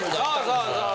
そうそう。